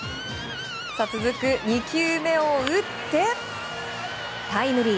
続く２球目を打ってタイムリー。